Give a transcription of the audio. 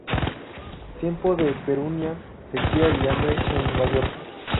Tiempo de penuria, sequía y hambre en Mallorca.